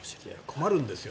困るんですよ